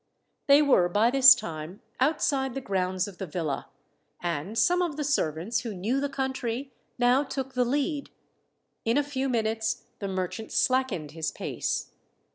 They were, by this time, outside the grounds of the villa, and some of the servants, who knew the country, now took the lead. In a few minutes the merchant slackened his pace.